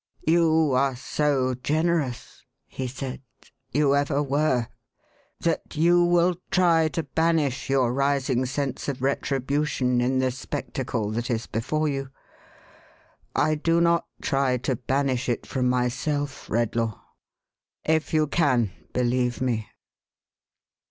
"You are so generous," he said, "— you ever were— that you will try to banish your rising sense of retribution in the spectacle that is before you. I do not try to banish it from myself, Redlaw. If you can, believe me."